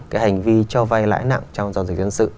cái hành vi cho vay lãi nặng trong giao dịch dân sự